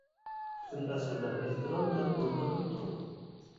پۈتۈن ئەسىرلەر ئېھتىرام بىلەن ئورۇنلىرىدىن تۇرىدۇ.